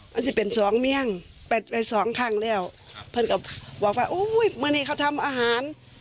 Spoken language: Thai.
มันจะเป็นสองเมี่ยงแปดไปสองข้างแล้วเพื่อนก็บอกว่าอุ้ยเมื่อนี้เขาทำอาหาร